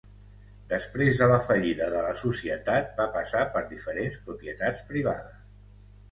Després de la fallida de la societat va passar per diferents propietats privades.